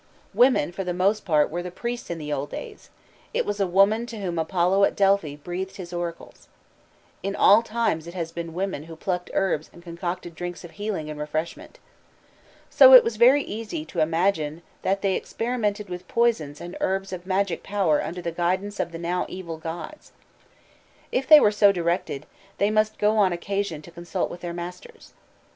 Women for the most part were the priests in the old days: it was a woman to whom Apollo at Delphi breathed his oracles. In all times it has been women who plucked herbs and concocted drinks of healing and refreshment. So it was very easy to imagine that they experimented with poisons and herbs of magic power under the guidance of the now evil gods. If they were so directed, they must go on occasions to consult with their masters.